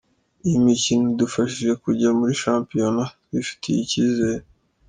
Iyi mikino idufashije kujya muri shampiyona twifitiye icyizere.